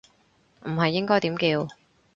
唔係應該點叫